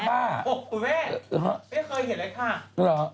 เหรอ